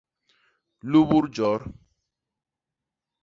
Lubul jot.